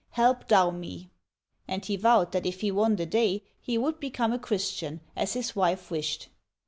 Help Thou me !" And he vowed that if he won the day, he would become a Christian, as his wife wished.